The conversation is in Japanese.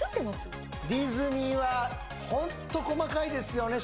ディズニーはホント細かいですよね